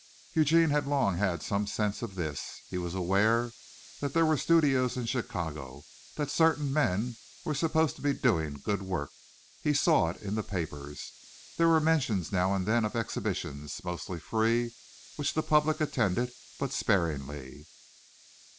Eugene had long had some sense of this. He was aware that there were studios in Chicago; that certain men were supposed to be doing good work he saw it in the papers. There were mentions now and then of exhibitions, mostly free, which the public attended but sparingly.